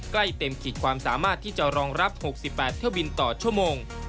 ใกล้เต็มขีดความสามารถที่จะรองรับ๖๘เที่ยวบินต่อชั่วโมง